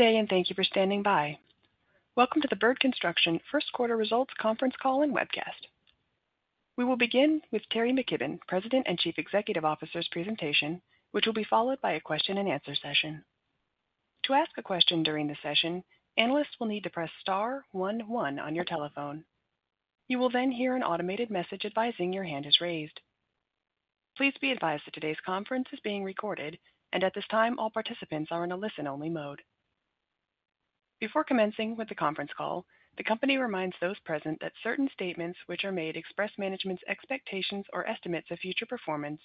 Good day, and thank you for standing by. Welcome to the Bird Construction First Quarter Results Conference Call and Webcast. We will begin with Teri McKibbon, President and Chief Executive Officer's presentation, which will be followed by a question-and-answer session. To ask a question during the session, analysts will need to press star one one on your telephone. You will then hear an automated message advising your hand is raised. Please be advised that today's conference is being recorded, and at this time, all participants are in a listen-only mode. Before commencing with the conference call, the company reminds those present that certain statements which are made express management's expectations or estimates of future performance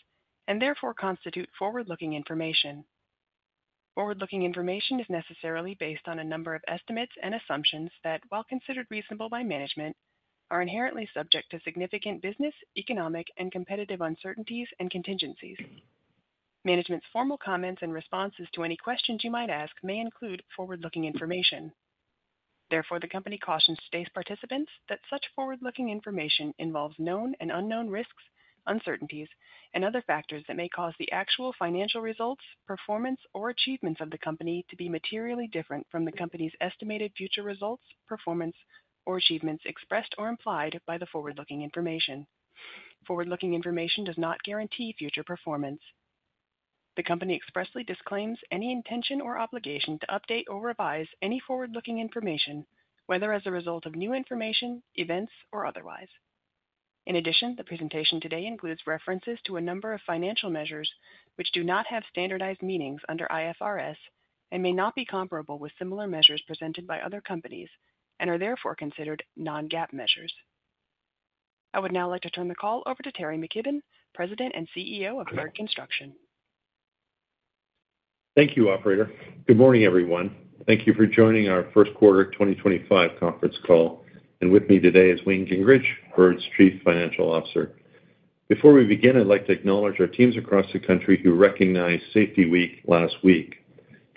and therefore constitute forward-looking information. Forward-looking information is necessarily based on a number of estimates and assumptions that, while considered reasonable by management, are inherently subject to significant business, economic, and competitive uncertainties and contingencies. Management's formal comments and responses to any questions you might ask may include forward-looking information. Therefore, the company cautions today's participants that such forward-looking information involves known and unknown risks, uncertainties, and other factors that may cause the actual financial results, performance, or achievements of the company to be materially different from the company's estimated future results, performance, or achievements expressed or implied by the forward-looking information. Forward-looking information does not guarantee future performance. The company expressly disclaims any intention or obligation to update or revise any forward-looking information, whether as a result of new information, events, or otherwise. In addition, the presentation today includes references to a number of financial measures which do not have standardized meanings under IFRS and may not be comparable with similar measures presented by other companies and are therefore considered non-GAAP measures. I would now like to turn the call over to Teri McKibbon, President and CEO of Bird Construction. Thank you, Operator. Good morning, everyone. Thank you for joining our first quarter 2025 conference call. With me today is Wayne Gingrich, Bird's Chief Financial Officer. Before we begin, I'd like to acknowledge our teams across the country who recognized Safety Week last week.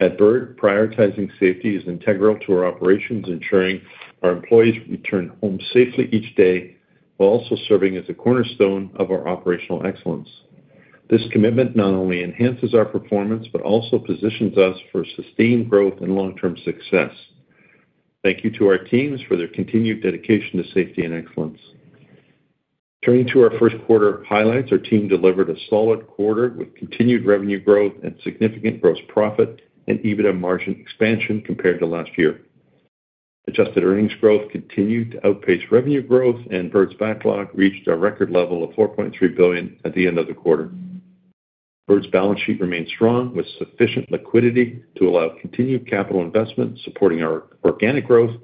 At Bird, prioritizing safety is integral to our operations, ensuring our employees return home safely each day, while also serving as a cornerstone of our operational excellence. This commitment not only enhances our performance but also positions us for sustained growth and long-term success. Thank you to our teams for their continued dedication to safety and excellence. Turning to our First Quarter highlights, our team delivered a solid quarter with continued revenue growth and significant gross profit and EBITDA margin expansion compared to last year. Adjusted earnings growth continued to outpace revenue growth, and Bird's backlog reached a record level of 4.3 billion at the end of the quarter. Bird's balance sheet remained strong, with sufficient liquidity to allow continued capital investment, supporting our organic growth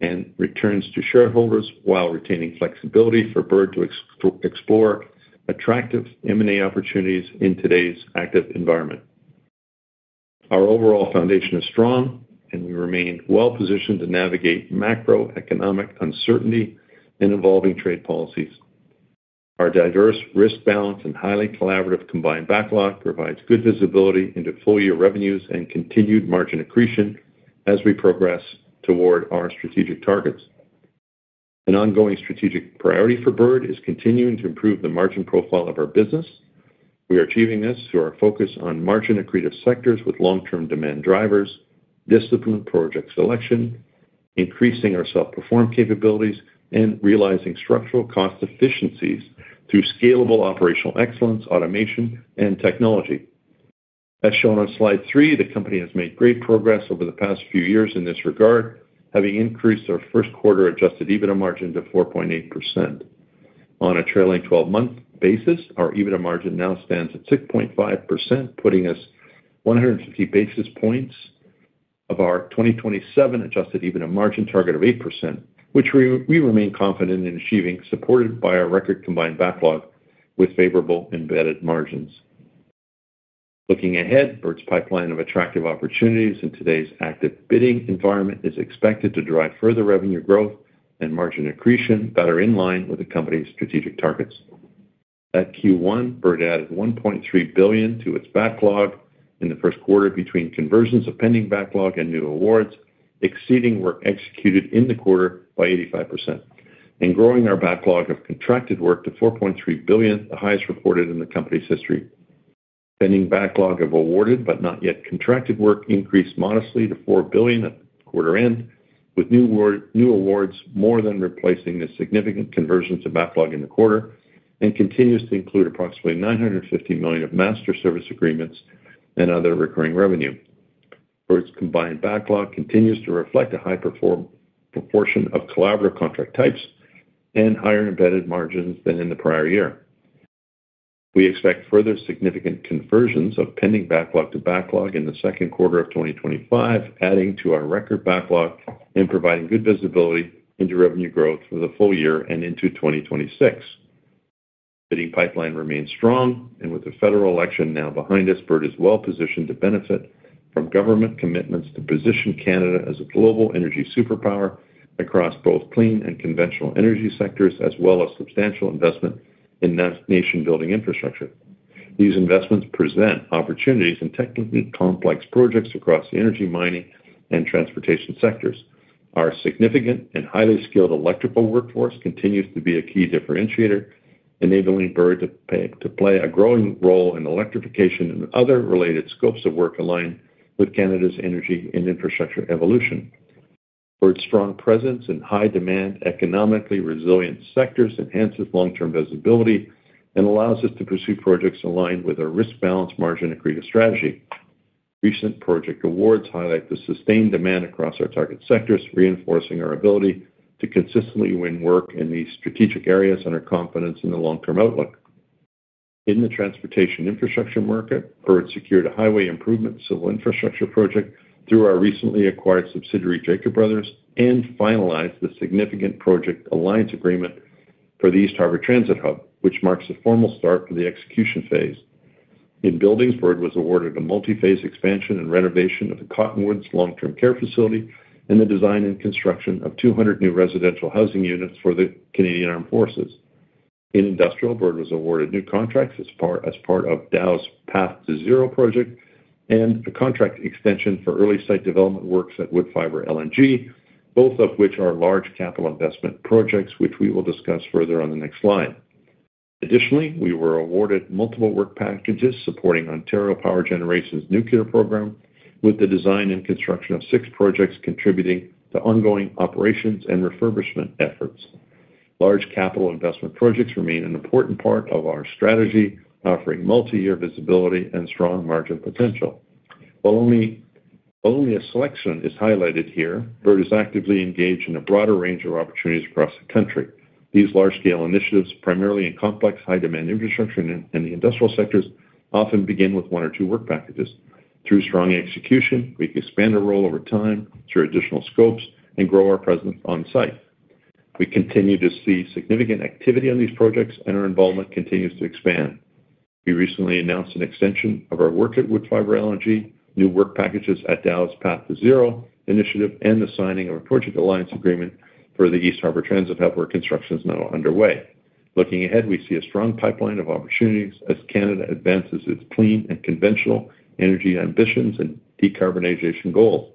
and returns to shareholders, while retaining flexibility for Bird to explore attractive M&A opportunities in today's active environment. Our overall foundation is strong, and we remain well-positioned to navigate macroeconomic uncertainty and evolving trade policies. Our diverse risk balance and highly collaborative combined backlog provide good visibility into full-year revenues and continued margin accretion as we progress toward our strategic targets. An ongoing strategic priority for Bird is continuing to improve the margin profile of our business. We are achieving this through our focus on margin-accretive sectors with long-term demand drivers, disciplined project selection, increasing our self-perform capabilities, and realizing structural cost efficiencies through scalable operational excellence, automation, and technology. As shown on slide three, the company has made great progress over the past few years in this regard, having increased our first quarter adjusted EBITDA margin to 4.8%. On a trailing 12-month basis, our EBITDA margin now stands at 6.5%, putting us 150 basis points above our 2027 adjusted EBITDA margin target of 8%, which we remain confident in achieving, supported by our record combined backlog with favorable embedded margins. Looking ahead, Bird's pipeline of attractive opportunities in today's active bidding environment is expected to drive further revenue growth and margin accretion that are in line with the company's strategic targets. At Q1, Bird added 1.3 billion to its backlog in the first quarter between conversions of pending backlog and new awards, exceeding work executed in the quarter by 85%, and growing our backlog of contracted work to 4.3 billion, the highest reported in the company's history. Pending backlog of awarded but not yet contracted work increased modestly to 4 billion at the quarter end, with new awards more than replacing the significant conversions of backlog in the quarter and continues to include approximately 950 million of master service agreements and other recurring revenue. Bird's combined backlog continues to reflect a high proportion of collaborative contract types and higher embedded margins than in the prior year. We expect further significant conversions of pending backlog to backlog in the second quarter of 2025, adding to our record backlog and providing good visibility into revenue growth for the full year and into 2026. The bidding pipeline remains strong, and with the federal election now behind us, Bird is well-positioned to benefit from government commitments to position Canada as a global energy superpower across both clean and conventional energy sectors, as well as substantial investment in nation-building infrastructure. These investments present opportunities in technically complex projects across the energy, mining, and transportation sectors. Our significant and highly skilled electrical workforce continues to be a key differentiator, enabling Bird to play a growing role in electrification and other related scopes of work aligned with Canada's energy and infrastructure evolution. Bird's strong presence in high-demand, economically resilient sectors enhances long-term visibility and allows us to pursue projects aligned with our risk balance, margin-accretive strategy. Recent project awards highlight the sustained demand across our target sectors, reinforcing our ability to consistently win work in these strategic areas and our confidence in the long-term outlook. In the transportation infrastructure market, Bird secured a highway improvement civil infrastructure project through our recently acquired subsidiary, Jacob Bros, and finalized the significant project alliance agreement for the East Harbour Transit Hub, which marks a formal start for the execution phase. In buildings, Bird was awarded a multi-phase expansion and renovation of the Cottonwoods Long-Term Care Facility and the design and construction of 200 new residential housing units for the Canadian Armed Forces. In industrial, Bird was awarded new contracts as part of Dow's Path2Zero project and a contract extension for early site development works at Woodfibre LNG, both of which are large capital investment projects, which we will discuss further on the next slide. Additionally, we were awarded multiple work packages supporting Ontario Power Generation's nuclear program, with the design and construction of six projects contributing to ongoing operations and refurbishment efforts. Large capital investment projects remain an important part of our strategy, offering multi-year visibility and strong margin potential. While only a selection is highlighted here, Bird is actively engaged in a broader range of opportunities across the country. These large-scale initiatives, primarily in complex, high-demand infrastructure and the industrial sectors, often begin with one or two work packages. Through strong execution, we can expand our role over time through additional scopes and grow our presence on site. We continue to see significant activity on these projects, and our involvement continues to expand. We recently announced an extension of our work at Woodfibre LNG, new work packages at Dow's Path2Zero initiative, and the signing of a project alliance agreement for the East Harbour Transit Hub, where construction is now underway. Looking ahead, we see a strong pipeline of opportunities as Canada advances its clean and conventional energy ambitions and decarbonization goals.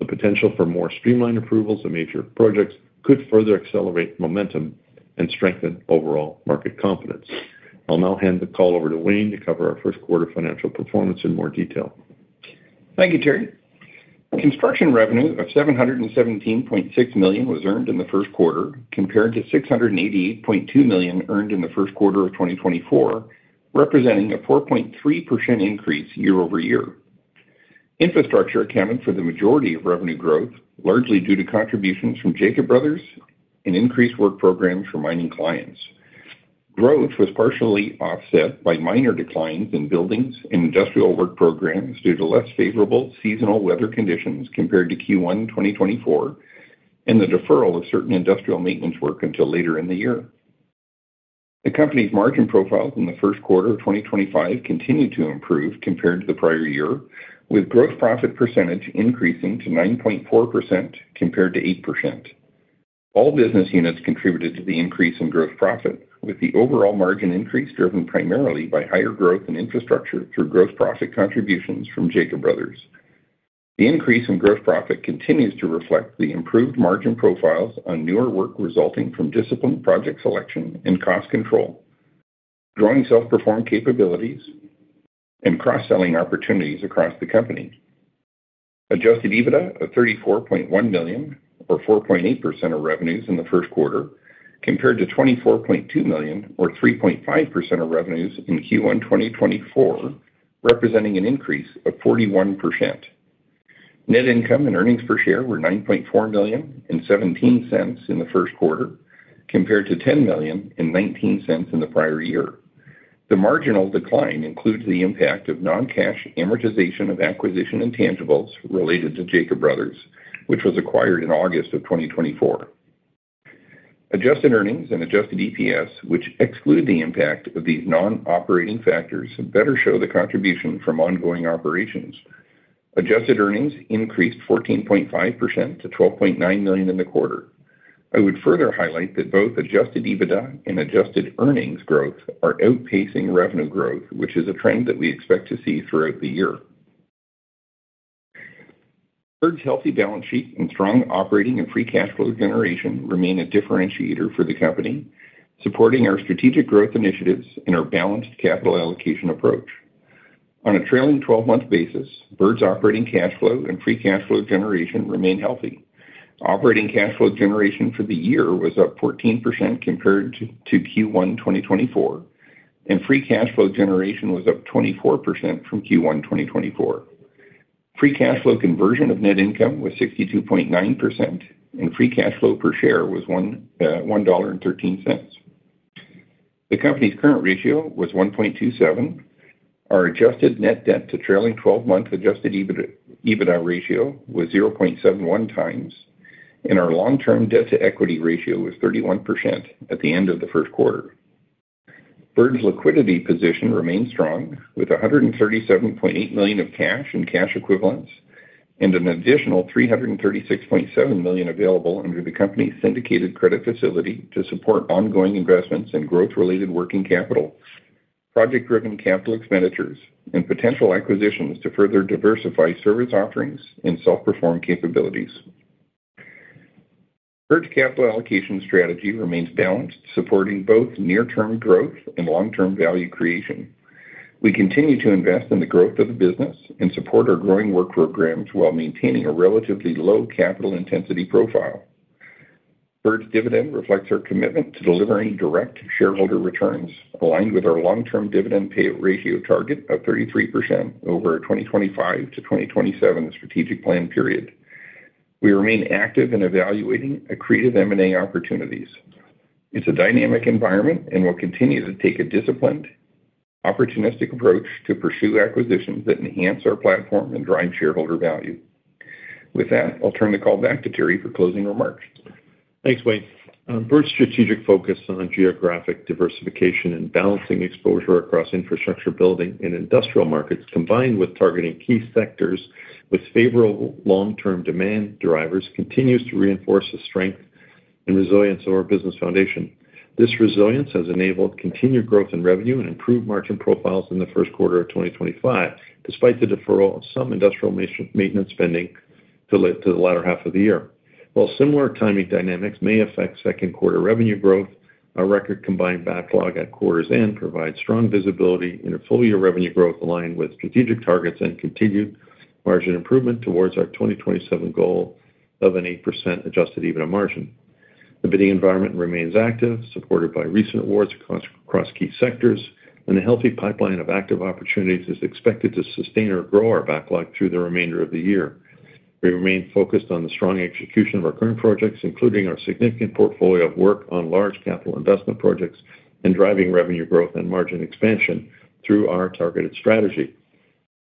The potential for more streamlined approvals of major projects could further accelerate momentum and strengthen overall market confidence. I'll now hand the call over to Wayne to cover our first quarter financial performance in more detail. Thank you, Teri. Construction revenue of 717.6 million was earned in the first quarter, compared to 688.2 million earned in the first quarter of 2024, representing a 4.3% increase year-over-year. Infrastructure accounted for the majority of revenue growth, largely due to contributions from Jacob Bros and increased work programs for mining clients. Growth was partially offset by minor declines in buildings and industrial work programs due to less favorable seasonal weather conditions compared to Q1 2024 and the deferral of certain industrial maintenance work until later in the year. The company's margin profile in the first quarter of 2025 continued to improve compared to the prior year, with gross profit percentage increasing to 9.4% compared to 8%. All business units contributed to the increase in gross profit, with the overall margin increase driven primarily by higher growth in infrastructure through gross profit contributions from Jacob Bros. The increase in gross profit continues to reflect the improved margin profiles on newer work resulting from disciplined project selection and cost control, growing self-perform capabilities and cross-selling opportunities across the company. Adjusted EBITDA of 34.1 million, or 4.8% of revenues in the first quarter, compared to 24.2 million, or 3.5% of revenues in Q1 2024, representing an increase of 41%. Net income and earnings per share were 9.4 million and $0.17 in the first quarter, compared to 10 million and $0.19 in the prior year. The marginal decline includes the impact of non-cash amortization of acquisition intangibles related to Jacob Bros, which was acquired in August of 2024. Adjusted earnings and adjusted EPS, which exclude the impact of these non-operating factors, better show the contribution from ongoing operations. Adjusted earnings increased 14.5% to 12.9 million in the quarter. I would further highlight that both adjusted EBITDA and adjusted earnings growth are outpacing revenue growth, which is a trend that we expect to see throughout the year. Bird's healthy balance sheet and strong operating and free cash flow generation remain a differentiator for the company, supporting our strategic growth initiatives and our balanced capital allocation approach. On a trailing 12-month basis, Bird's operating cash flow and free cash flow generation remain healthy. Operating cash flow generation for the year was up 14% compared to Q1 2024, and free cash flow generation was up 24% from Q1 2024. Free cash flow conversion of net income was 62.9%, and free cash flow per share was 1.13 dollar. The company's current ratio was 1.27. Our adjusted net debt to trailing 12-month adjusted EBITDA ratio was 0.71 times, and our long-term debt to equity ratio was 31% at the end of the first quarter. Bird's liquidity position remains strong, with 137.8 million of cash and cash equivalents and an additional 336.7 million available under the company's syndicated credit facility to support ongoing investments in growth-related working capital, project-driven capital expenditures, and potential acquisitions to further diversify service offerings and self-perform capabilities. Bird's capital allocation strategy remains balanced, supporting both near-term growth and long-term value creation. We continue to invest in the growth of the business and support our growing work programs while maintaining a relatively low capital intensity profile. Bird's dividend reflects our commitment to delivering direct shareholder returns, aligned with our long-term dividend pay ratio target of 33% over our 2025 to 2027 strategic plan period. We remain active in evaluating accretive M&A opportunities. It's a dynamic environment and will continue to take a disciplined, opportunistic approach to pursue acquisitions that enhance our platform and drive shareholder value. With that, I'll turn the call back to Teri for closing remarks. Thanks, Wayne. Bird's strategic focus on geographic diversification and balancing exposure across infrastructure, building, and industrial markets, combined with targeting key sectors with favorable long-term demand drivers, continues to reinforce the strength and resilience of our business foundation. This resilience has enabled continued growth in revenue and improved margin profiles in the first quarter of 2025, despite the deferral of some industrial maintenance spending to the latter half of the year. While similar timing dynamics may affect second-quarter revenue growth, our record combined backlog at quarter's end provides strong visibility into full-year revenue growth aligned with strategic targets and continued margin improvement towards our 2027 goal of an 8% adjusted EBITDA margin. The bidding environment remains active, supported by recent awards across key sectors, and a healthy pipeline of active opportunities is expected to sustain or grow our backlog through the remainder of the year. We remain focused on the strong execution of our current projects, including our significant portfolio of work on large capital investment projects and driving revenue growth and margin expansion through our targeted strategy.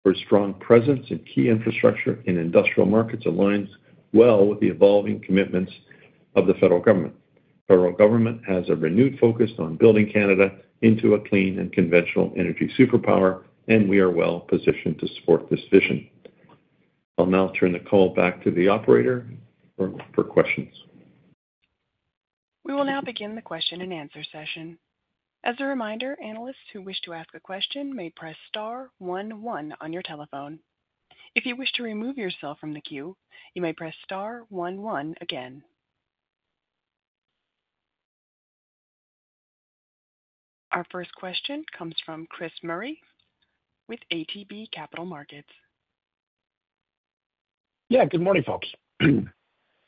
Bird's strong presence in key infrastructure and industrial markets aligns well with the evolving commitments of the federal government. The federal government has a renewed focus on building Canada into a clean and conventional energy superpower, and we are well-positioned to support this vision. I'll now turn the call back to the operator for questions. We will now begin the question-and-answer session. As a reminder, analysts who wish to ask a question may press star one one on your telephone. If you wish to remove yourself from the queue, you may press star one one again. Our first question comes from Chris Murray with ATB Capital Markets. Yeah, good morning, folks. Good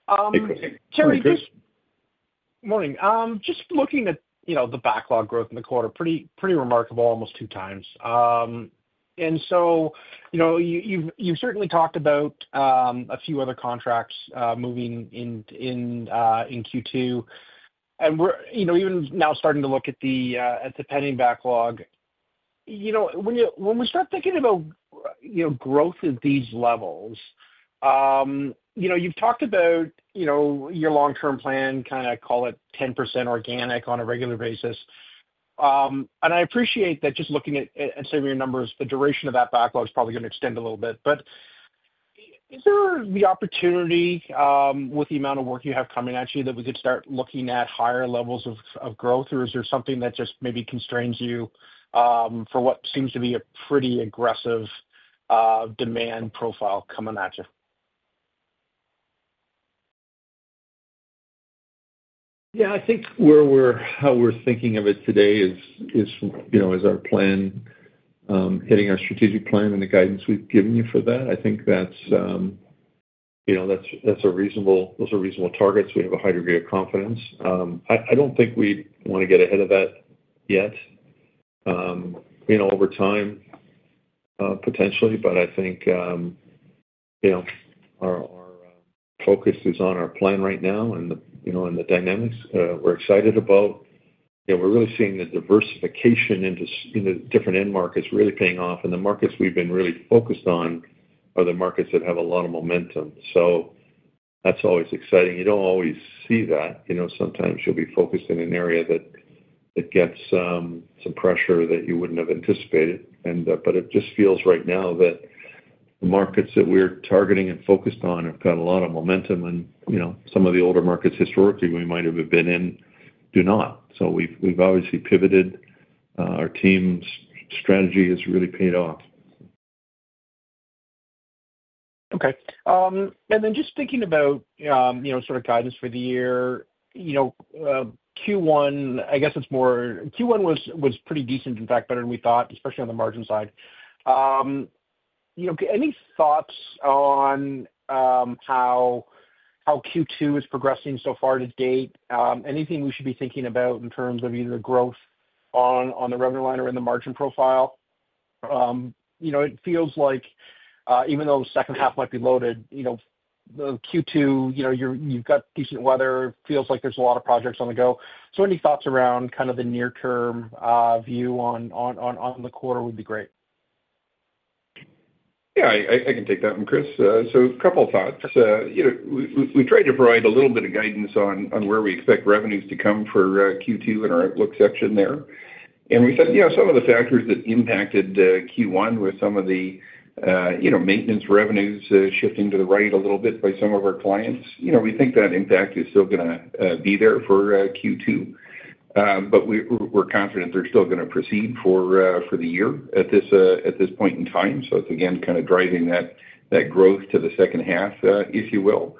morning. Teri, good morning. Just looking at the backlog growth in the quarter, pretty remarkable, almost two times. You have certainly talked about a few other contracts moving in Q2. Even now starting to look at the pending backlog, when we start thinking about growth at these levels, you have talked about your long-term plan, kind of call it 10% organic on a regular basis. I appreciate that just looking at some of your numbers, the duration of that backlog is probably going to extend a little bit. Is there the opportunity, with the amount of work you have coming at you, that we could start looking at higher levels of growth, or is there something that just maybe constrains you for what seems to be a pretty aggressive demand profile coming at you? Yeah, I think how we're thinking of it today is our plan, hitting our strategic plan and the guidance we've given you for that. I think that's a reasonable—those are reasonable targets. We have a high degree of confidence. I don't think we want to get ahead of that yet over time, potentially, but I think our focus is on our plan right now and the dynamics. We're excited about—we're really seeing the diversification into different end markets really paying off, and the markets we've been really focused on are the markets that have a lot of momentum. That's always exciting. You don't always see that. Sometimes you'll be focused in an area that gets some pressure that you wouldn't have anticipated. It just feels right now that the markets that we're targeting and focused on have got a lot of momentum, and some of the older markets historically we might have been in do not. We have obviously pivoted. Our team's strategy has really paid off. Okay. Just thinking about sort of guidance for the year, Q1, I guess it's more—Q1 was pretty decent, in fact, better than we thought, especially on the margin side. Any thoughts on how Q2 is progressing so far to date? Anything we should be thinking about in terms of either growth on the revenue line or in the margin profile? It feels like even though the second half might be loaded, Q2, you've got decent weather. It feels like there's a lot of projects on the go. Any thoughts around kind of the near-term view on the quarter would be great. Yeah, I can take that one, Chris. So a couple of thoughts. We tried to provide a little bit of guidance on where we expect revenues to come for Q2 in our outlook section there. And we said some of the factors that impacted Q1 were some of the maintenance revenues shifting to the right a little bit by some of our clients. We think that impact is still going to be there for Q2, but we're confident they're still going to proceed for the year at this point in time. So it's, again, kind of driving that growth to the second half, if you will.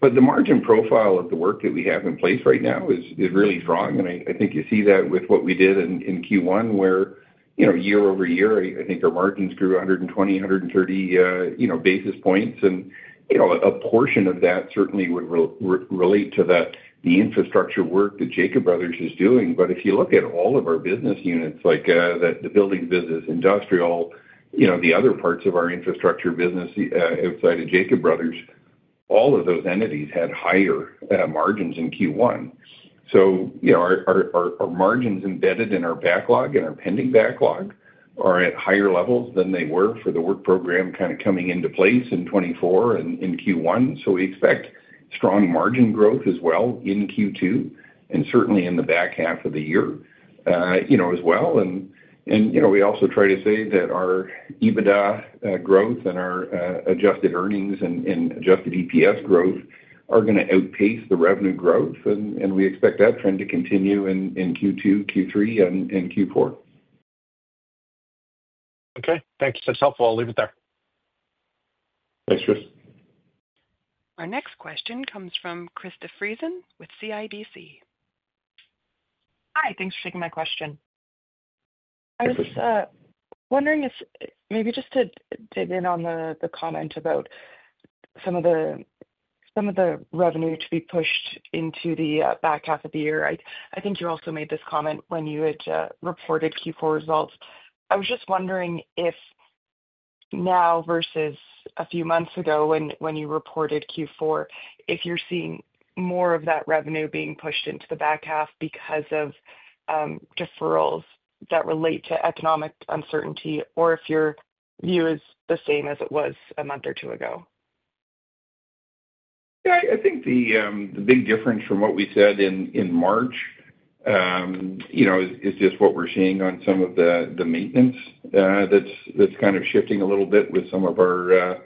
But the margin profile of the work that we have in place right now is really strong, and I think you see that with what we did in Q1, where year over year, I think our margins grew 120 130 basis points. A portion of that certainly would relate to the infrastructure work that Jacob Bros is doing. If you look at all of our business units, like the building business, industrial, the other parts of our infrastructure business outside of Jacob Bros, all of those entities had higher margins in Q1. Our margins embedded in our backlog and our pending backlog are at higher levels than they were for the work program kind of coming into place in 2024 and in Q1. We expect strong margin growth as well in Q2 and certainly in the back half of the year as well. We also try to say that our EBITDA growth and our adjusted earnings and adjusted EPS growth are going to outpace the revenue growth, and we expect that trend to continue in Q2, Q3, and Q4. Okay. Thanks. That's helpful. I'll leave it there. Thanks, Chris. Our next question comes from Krista Friesen with CIBC. Hi. Thanks for taking my question. I was wondering if maybe just to dig in on the comment about some of the revenue to be pushed into the back half of the year. I think you also made this comment when you had reported Q4 results. I was just wondering if now versus a few months ago when you reported Q4, if you're seeing more of that revenue being pushed into the back half because of deferrals that relate to economic uncertainty, or if your view is the same as it was a month or two ago. Yeah, I think the big difference from what we said in March is just what we're seeing on some of the maintenance that's kind of shifting a little bit with some of our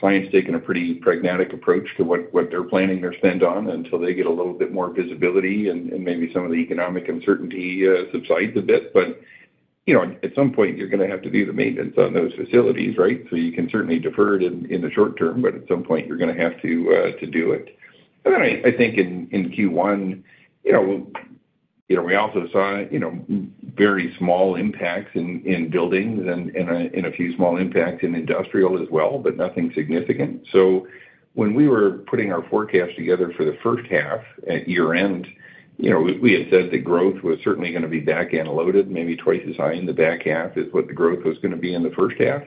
clients taking a pretty pragmatic approach to what they're planning their spend on until they get a little bit more visibility and maybe some of the economic uncertainty subsides a bit. At some point, you're going to have to do the maintenance on those facilities, right? You can certainly defer it in the short term, but at some point, you're going to have to do it. I think in Q1, we also saw very small impacts in buildings and a few small impacts in industrial as well, but nothing significant. When we were putting our forecast together for the first half at year-end, we had said that growth was certainly going to be back-end loaded, maybe twice as high in the back half as what the growth was going to be in the first half.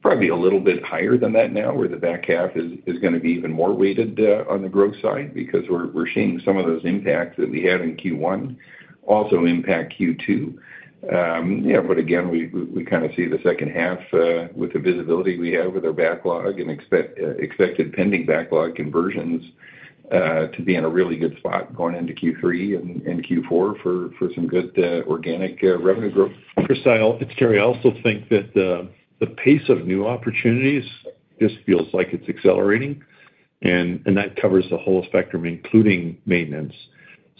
Probably a little bit higher than that now, where the back half is going to be even more weighted on the growth side because we're seeing some of those impacts that we had in Q1 also impact Q2. Again, we kind of see the second half with the visibility we have with our backlog and expected pending backlog conversions to be in a really good spot going into Q3 and Q4 for some good organic revenue growth. Krista, I'll add to Teri. I also think that the pace of new opportunities just feels like it's accelerating, and that covers the whole spectrum, including maintenance.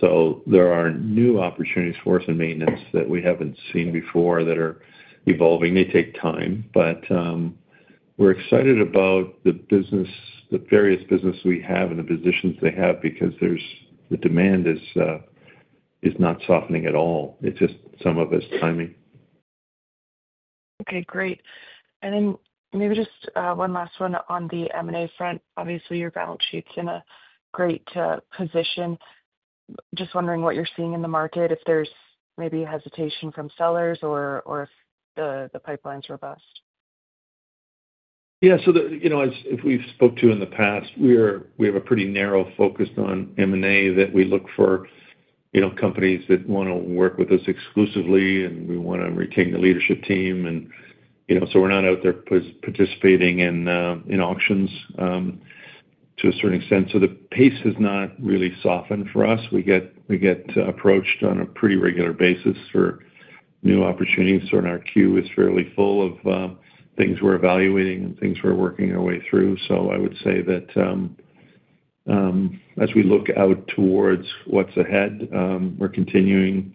There are new opportunities for us in maintenance that we haven't seen before that are evolving. They take time, but we're excited about the various business we have and the positions they have because the demand is not softening at all. It's just some of it's timing. Okay, great. Maybe just one last one on the M&A front. Obviously, your balance sheet's in a great position. Just wondering what you're seeing in the market, if there's maybe hesitation from sellers or if the pipeline's robust. Yeah. As we've spoke to in the past, we have a pretty narrow focus on M&A that we look for companies that want to work with us exclusively, and we want to retain the leadership team. We are not out there participating in auctions to a certain extent. The pace has not really softened for us. We get approached on a pretty regular basis for new opportunities. Our queue is fairly full of things we're evaluating and things we're working our way through. I would say that as we look out towards what's ahead, we're continuing.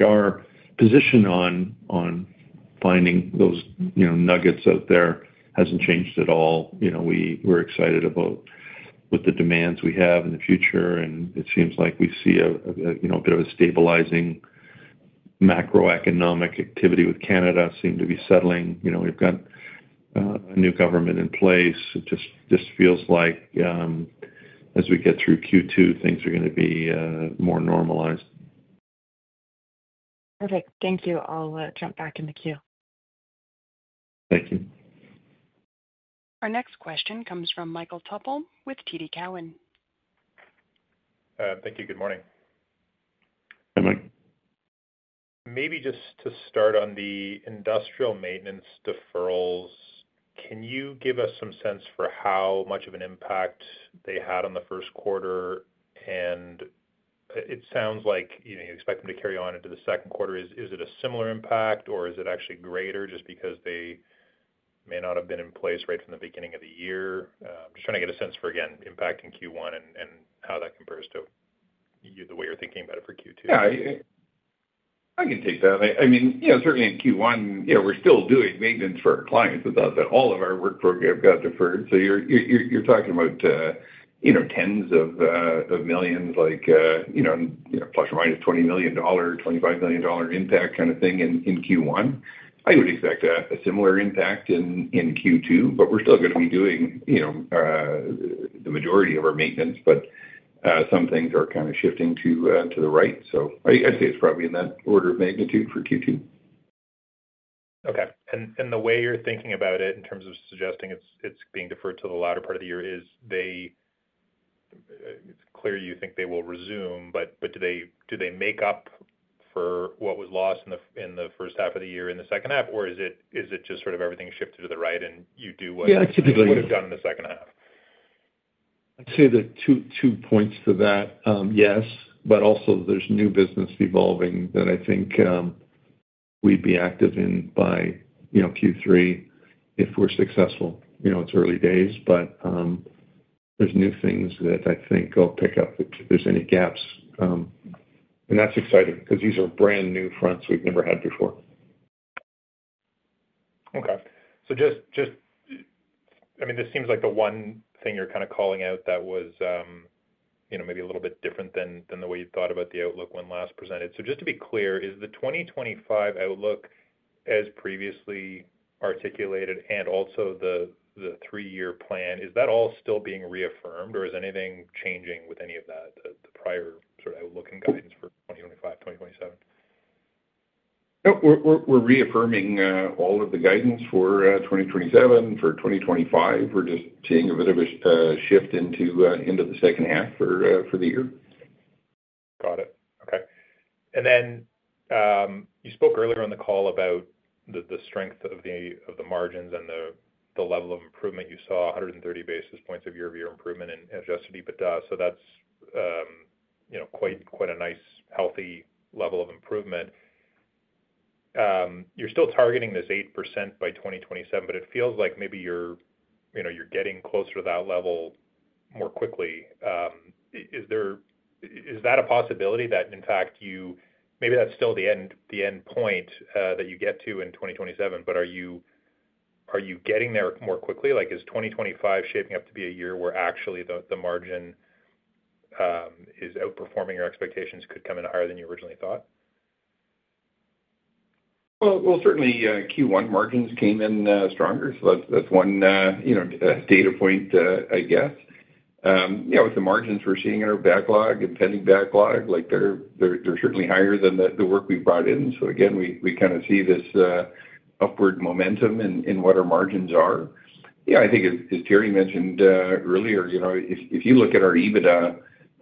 Our position on finding those nuggets out there hasn't changed at all. We're excited about what the demands we have in the future, and it seems like we see a bit of a stabilizing macroeconomic activity with Canada seem to be settling. We've got a new government in place. It just feels like as we get through Q2, things are going to be more normalized. Perfect. Thank you. I'll jump back in the queue. Thank you. Our next question comes from Michael Tupholme with TD Cowen. Thank you. Good morning. Hi, Mike. Maybe just to start on the industrial maintenance deferrals, can you give us some sense for how much of an impact they had on the first quarter? It sounds like you expect them to carry on into the second quarter. Is it a similar impact, or is it actually greater just because they may not have been in place right from the beginning of the year? Just trying to get a sense for, again, impact in Q1 and how that compares to the way you're thinking about it for Q2. Yeah, I can take that. I mean, certainly in Q1, we're still doing maintenance for our clients. Without that, all of our work program got deferred. You're talking about tens of millions, like plus or minus 20 million dollar 25 million dollar impact kind of thing in Q1. I would expect a similar impact in Q2. We're still going to be doing the majority of our maintenance, but some things are kind of shifting to the right. I'd say it's probably in that order of magnitude for Q2. Okay. The way you're thinking about it in terms of suggesting it's being deferred to the latter part of the year is it's clear you think they will resume, but do they make up for what was lost in the first half of the year in the second half, or is it just sort of everything shifted to the right and you do what you would have done in the second half? I'd say the two points to that, yes. There is new business evolving that I think we'd be active in by Q3 if we're successful. It's early days, but there are new things that I think I'll pick up if there are any gaps. That's exciting because these are brand new fronts we've never had before. Okay. Just, I mean, this seems like the one thing you're kind of calling out that was maybe a little bit different than the way you thought about the outlook when last presented. Just to be clear, is the 2025 outlook as previously articulated and also the three-year plan, is that all still being reaffirmed, or is anything changing with any of that, the prior sort of outlook and guidance for 2025, 2027? We're reaffirming all of the guidance for 2027, for 2025. We're just seeing a bit of a shift into the second half for the year. Got it. Okay. You spoke earlier on the call about the strength of the margins and the level of improvement you saw, 130 basis points of year-over-year improvement in adjusted EBITDA. That is quite a nice, healthy level of improvement. You are still targeting this 8% by 2027, but it feels like maybe you are getting closer to that level more quickly. Is that a possibility that, in fact, maybe that is still the end point that you get to in 2027, but are you getting there more quickly? Is 2025 shaping up to be a year where actually the margin is outperforming your expectations and could come in higher than you originally thought? Certainly Q1 margins came in stronger. That is one data point, I guess. Yeah, with the margins we are seeing in our backlog and pending backlog, they are certainly higher than the work we brought in. Again, we kind of see this upward momentum in what our margins are. I think as Teri mentioned earlier, if you look at our EBITDA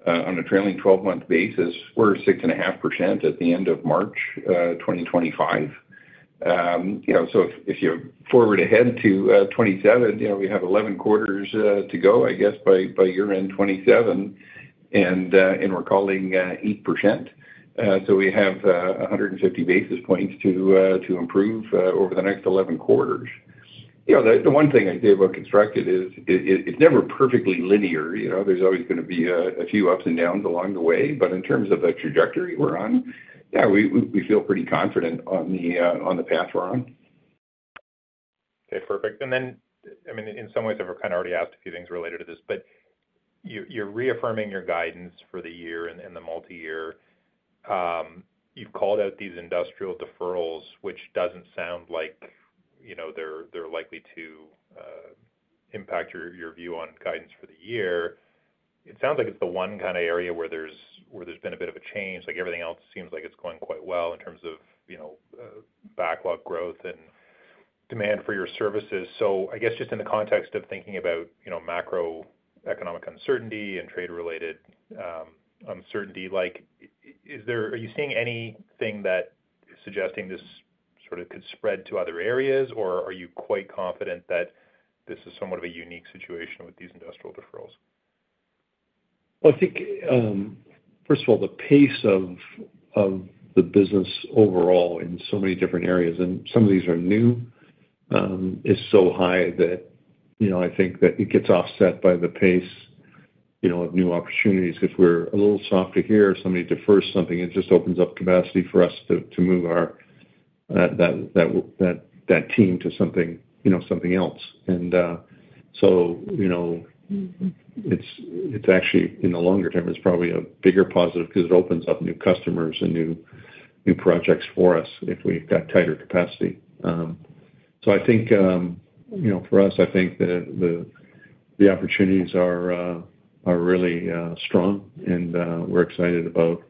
on a trailing 12-month basis, we are 6.5% at the end of March 2025. If you forward ahead to 2027, we have 11 quarters to go, I guess, by year-end 2027, and we are calling 8%. We have 150 basis points to improve over the next 11 quarters. The one thing I would say about construction is it is never perfectly linear. There is always going to be a few ups and downs along the way. In terms of the trajectory we're on, yeah, we feel pretty confident on the path we're on. Okay. Perfect. And then, I mean, in some ways, I've kind of already asked a few things related to this, but you're reaffirming your guidance for the year and the multi-year. You've called out these industrial deferrals, which doesn't sound like they're likely to impact your view on guidance for the year. It sounds like it's the one kind of area where there's been a bit of a change. Everything else seems like it's going quite well in terms of backlog growth and demand for your services. I guess just in the context of thinking about macroeconomic uncertainty and trade-related uncertainty, are you seeing anything that is suggesting this sort of could spread to other areas, or are you quite confident that this is somewhat of a unique situation with these industrial deferrals? I think, first of all, the pace of the business overall in so many different areas, and some of these are new, is so high that I think that it gets offset by the pace of new opportunities. If we're a little soft or somebody defers something, it just opens up capacity for us to move that team to something else. It's actually, in the longer term, probably a bigger positive because it opens up new customers and new projects for us if we've got tighter capacity. I think for us, the opportunities are really strong, and we're excited about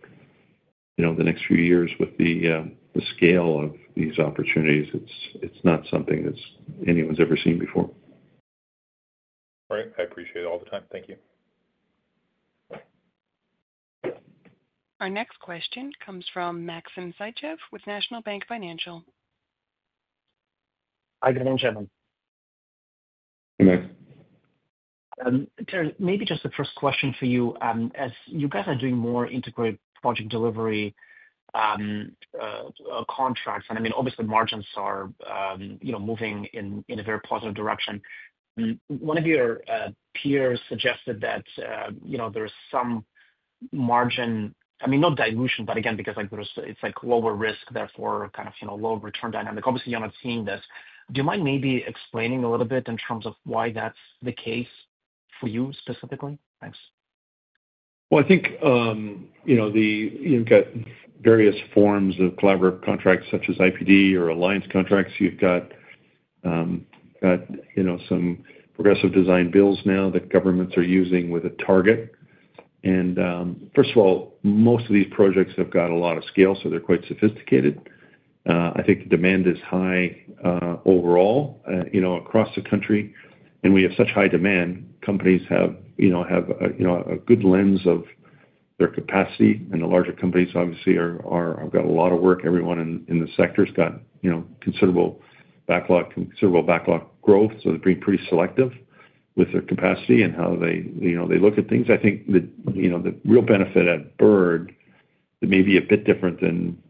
the next few years with the scale of these opportunities. It's not something that anyone's ever seen before. All right. I appreciate it, all the time. Thank you. Our next question comes from Maxim Sytchev with National Bank Financial. Hi, good morning, Chairman. Hey, Max. Teri, maybe just the first question for you. As you guys are doing more integrated project delivery contracts, and I mean, obviously, margins are moving in a very positive direction. One of your peers suggested that there is some margin, I mean, not dilution, but again, because it's lower risk, therefore kind of low return dynamic. Obviously, you're not seeing this. Do you mind maybe explaining a little bit in terms of why that's the case for you specifically? Thanks. I think you've got various forms of collaborative contracts such as IPD or alliance contracts. You've got some progressive design builds now that governments are using with a target. First of all, most of these projects have got a lot of scale, so they're quite sophisticated. I think the demand is high overall across the country, and we have such high demand. Companies have a good lens of their capacity, and the larger companies, obviously, have got a lot of work. Everyone in the sector's got considerable backlog, considerable backlog growth, so they're being pretty selective with their capacity and how they look at things. I think the real benefit at Bird, it may be a bit different than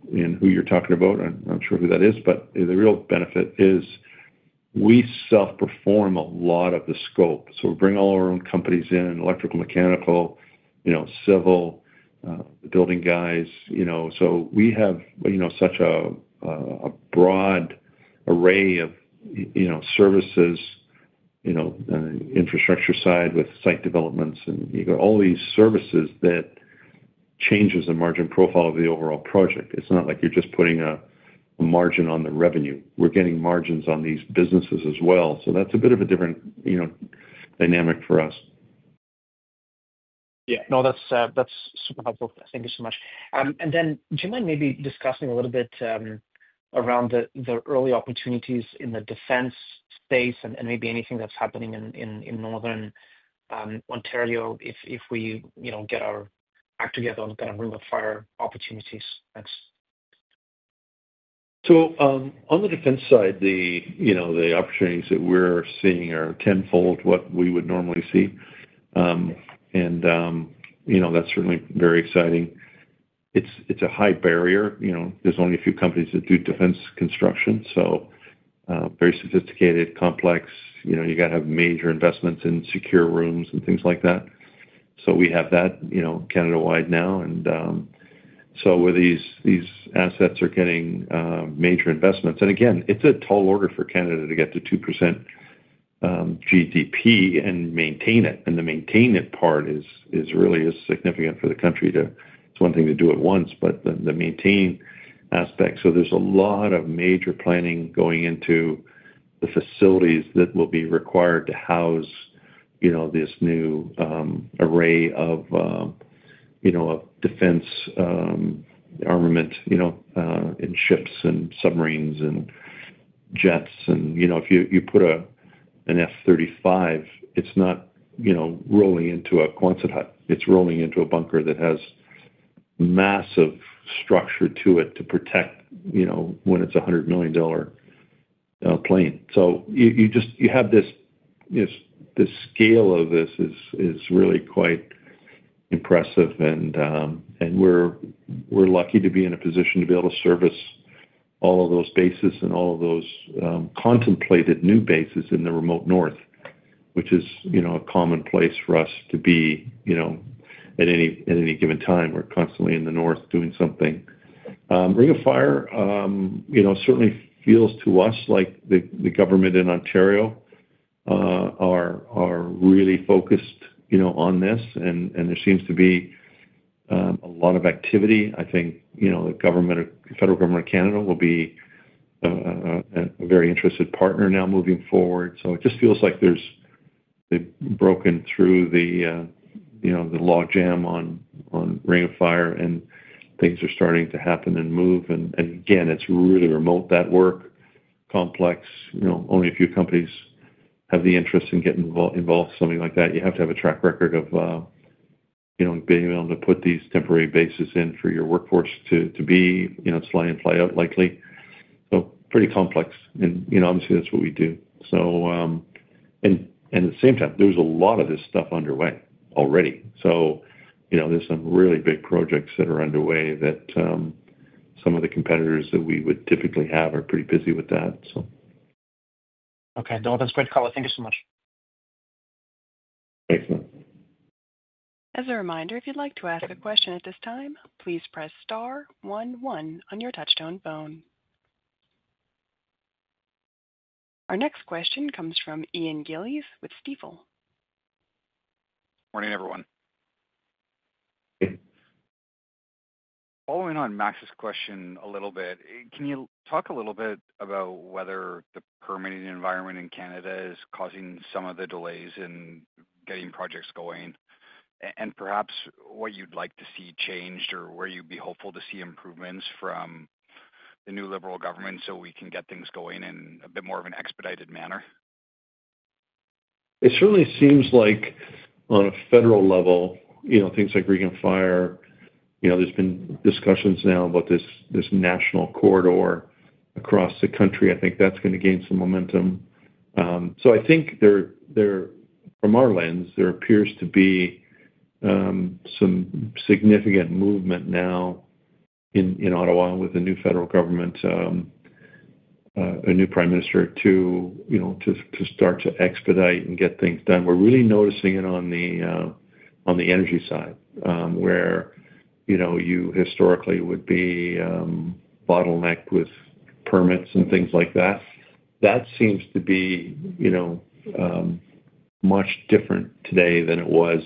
who you're talking about. I'm not sure who that is, but the real benefit is we self-perform a lot of the scope. We bring all our own companies in: electrical, mechanical, civil, building guys. We have such a broad array of services, infrastructure side with site developments, and you have all these services that change the margin profile of the overall project. It is not like you are just putting a margin on the revenue. We are getting margins on these businesses as well. That is a bit of a different dynamic for us. Yeah. No, that's super helpful. Thank you so much. Do you mind maybe discussing a little bit around the early opportunities in the defense space and maybe anything that's happening in Northern Ontario if we get our act together on kind of Ring of Fire opportunities? Thanks. On the defense side, the opportunities that we're seeing are tenfold what we would normally see. That's certainly very exciting. It's a high barrier. There are only a few companies that do defense construction, so very sophisticated, complex. You've got to have major investments in secure rooms and things like that. We have that Canada-wide now. These assets are getting major investments. Again, it's a tall order for Canada to get to 2% GDP and maintain it. The maintain it part is really significant for the country. It's one thing to do it once, but the maintain aspect. There is a lot of major planning going into the facilities that will be required to house this new array of defense armament and ships and submarines and jets. If you put an F-35, it's not rolling into a Quonset hut. It's rolling into a bunker that has massive structure to it to protect when it's a $100 million plane. You have this scale of this is really quite impressive. We're lucky to be in a position to be able to service all of those bases and all of those contemplated new bases in the remote north, which is a commonplace for us to be at any given time. We're constantly in the north doing something. Ring of Fire certainly feels to us like the government in Ontario are really focused on this. There seems to be a lot of activity. I think the federal government of Canada will be a very interested partner now moving forward. It just feels like they've broken through the logjam on Ring of Fire, and things are starting to happen and move. Again, it's really remote, that work complex. Only a few companies have the interest in getting involved in something like that. You have to have a track record of being able to put these temporary bases in for your workforce to be fly in, fly out likely. Pretty complex. Obviously, that's what we do. At the same time, there's a lot of this stuff underway already. There are some really big projects that are underway that some of the competitors that we would typically have are pretty busy with that. Okay. No, that's great color. Thank you so much. Excellent. As a reminder, if you'd like to ask a question at this time, please press star one one on your touch-tone phone. Our next question comes from Ian Gillies with Stifel. Morning, everyone. Following on Max's question a little bit, can you talk a little bit about whether the permitting environment in Canada is causing some of the delays in getting projects going and perhaps what you'd like to see changed or where you'd be hopeful to see improvements from the new Liberal government so we can get things going in a bit more of an expedited manner? It certainly seems like on a federal level, things like Ring of Fire, there's been discussions now about this national corridor across the country. I think that's going to gain some momentum. I think from our lens, there appears to be some significant movement now in Ottawa with a new federal government, a new prime minister to start to expedite and get things done. We're really noticing it on the energy side where you historically would be bottlenecked with permits and things like that. That seems to be much different today than it was.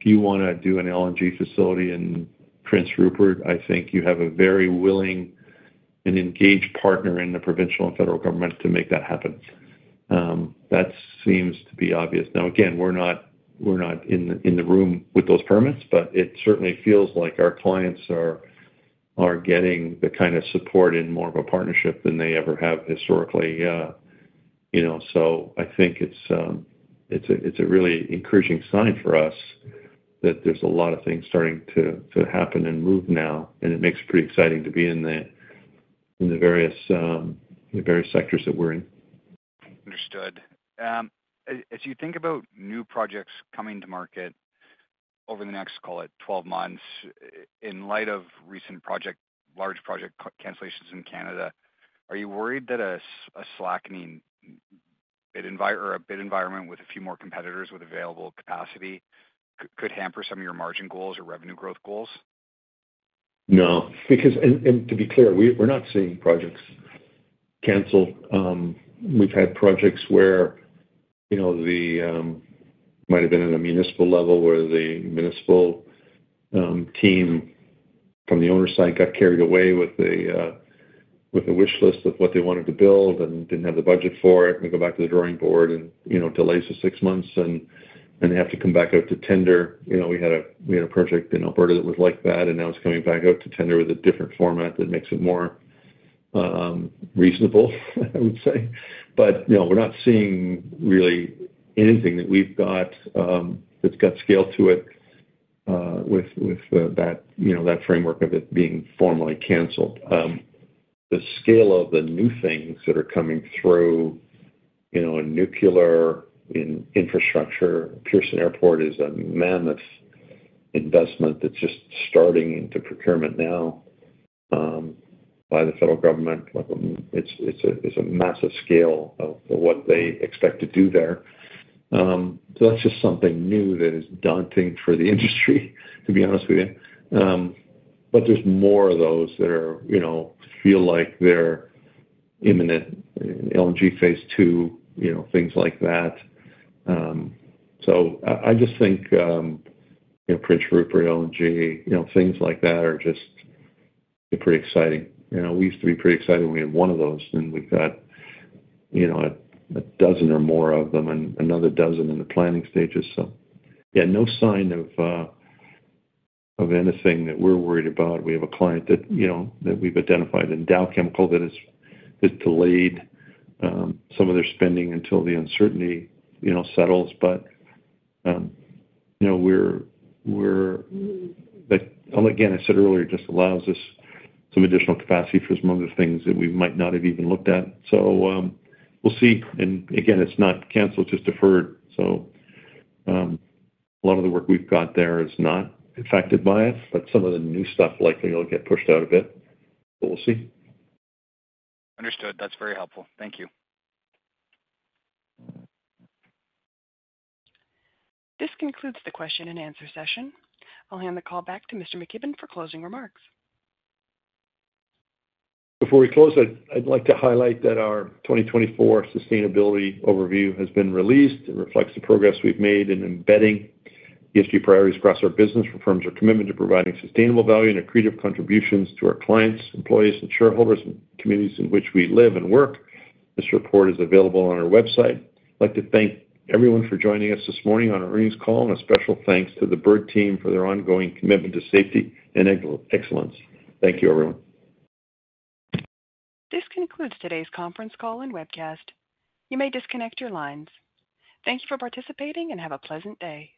If you want to do an LNG facility in Prince Rupert, I think you have a very willing and engaged partner in the provincial and federal government to make that happen. That seems to be obvious. Now, again, we're not in the room with those permits, but it certainly feels like our clients are getting the kind of support in more of a partnership than they ever have historically. I think it's a really encouraging sign for us that there's a lot of things starting to happen and move now, and it makes it pretty exciting to be in the various sectors that we're in. Understood. As you think about new projects coming to market over the next, call it, 12 months, in light of recent large project cancellations in Canada, are you worried that a slackening bid environment with a few more competitors with available capacity could hamper some of your margin goals or revenue growth goals? No. To be clear, we're not seeing projects canceled. We've had projects where they might have been at a municipal level where the municipal team from the owner's side got carried away with a wish list of what they wanted to build and didn't have the budget for it. We go back to the drawing board and delays for six months, and they have to come back out to tender. We had a project in Alberta that was like that, and now it's coming back out to tender with a different format that makes it more reasonable, I would say. No, we're not seeing really anything that we've got that's got scale to it with that framework of it being formally canceled. The scale of the new things that are coming through in nuclear infrastructure, Pearson Airport is a massive investment that's just starting into procurement now by the federal government. It's a massive scale of what they expect to do there. That's just something new that is daunting for the industry, to be honest with you. There are more of those that feel like they're imminent: LNG phase II, things like that. I just think Prince Rupert, LNG, things like that are just pretty exciting. We used to be pretty excited when we had one of those, and we've got a dozen or more of them and another dozen in the planning stages. Yeah, no sign of anything that we're worried about. We have a client that we've identified in Dow Chemical that has delayed some of their spending until the uncertainty settles. Again, I said earlier, it just allows us some additional capacity for some other things that we might not have even looked at. We'll see. Again, it's not canceled, just deferred. A lot of the work we've got there is not affected by it, but some of the new stuff likely will get pushed out a bit. We'll see. Understood. That's very helpful. Thank you. This concludes the question and answer session. I'll hand the call back to Mr. McKibbon for closing remarks. Before we close, I'd like to highlight that our 2024 sustainability overview has been released. It reflects the progress we've made in embedding ESG priorities across our business, affirms our commitment to providing sustainable value and accretive contributions to our clients, employees, and shareholders in the communities in which we live and work. This report is available on our website. I'd like to thank everyone for joining us this morning on our earnings call and a special thanks to the Bird team for their ongoing commitment to safety and excellence. Thank you, everyone. This concludes today's conference call and webcast. You may disconnect your lines. Thank you for participating and have a pleasant day.